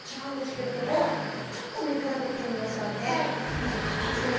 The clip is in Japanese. まず形です。